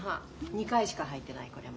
２回しか履いてないこれも。